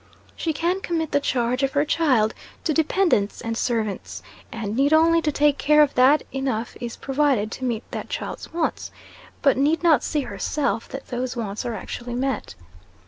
She can commit the charge of her child to dependants and servants, and need only to take care that enough is provided to meet that child's wants, but need not see herself that those wants are actually met.